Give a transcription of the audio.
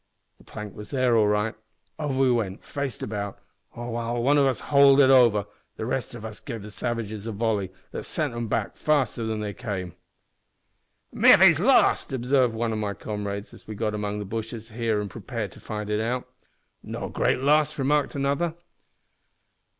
The plank was there all right. Over we went, faced about, and while one o' us hauled it over, the rest gave the savages a volley that sent them back faster than they came. "`Miffy's lost!' obsarved one o' my comrades as we got in among the bushes here an' prepared to fight it out. "`No great loss,' remarked another.